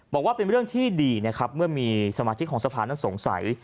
บอกว่าเป็นเรื่องที่ดีนะครับเมื่อมีสมาชิกของสภานั้นสงสัย